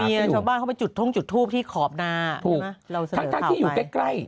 มีชาวบ้านเขาไปจุดท่องจุดทูปที่ขอบนาถูกทั้งที่อยู่ใกล้ใกล้